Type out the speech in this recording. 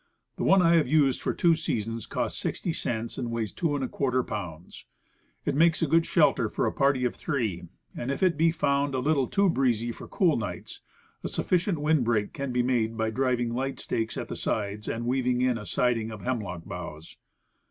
The one I have used for two seasons cost sixty cents, and weighs 2% pounds. It makes a good shelter for a party of three; and if it be found a little too breezy for cool nights, a sufficient wind Sparks, 39 break can t>e made by driving light stakes at the sides and weaving in a siding of hemlock boughs.